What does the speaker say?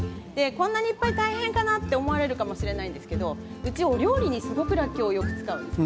こんなにいっぱい大変かなと思われるかもしれませんがうちはお料理にらっきょうをすごく使うんです。